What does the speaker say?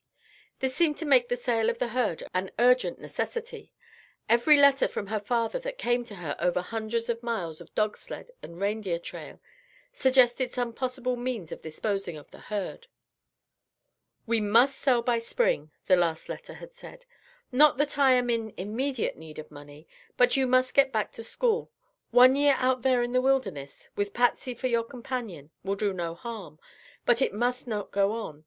This seemed to make the sale of the herd an urgent necessity. Every letter from her father that came to her over hundreds of miles of dog sled and reindeer trail, suggested some possible means of disposing of the herd. "We must sell by spring," his last letter had said. "Not that I am in immediate need of money, but you must get back to school. One year out there in the wilderness, with Patsy for your companion, will do no harm, but it must not go on.